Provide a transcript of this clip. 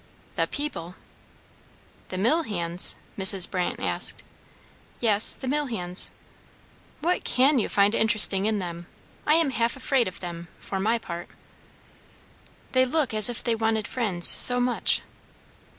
"The people!" "The mill hands?" Mrs. Brandt asked. "Yes; the mill hands." "What can you find interesting in them? I am half afraid of them, for my part." "They look as if they wanted friends so much."